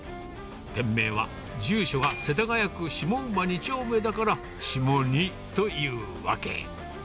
店名は、住所が世田谷区下馬２丁目だから下２というわけ。